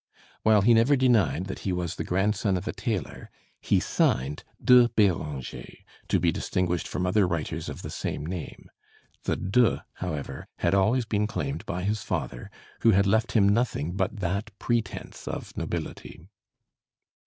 While he never denied that he was the grandson of a tailor, he signed de Béranger, to be distinguished from other writers of the same name. The de, however, had always been claimed by his father, who had left him nothing but that pretense of nobility.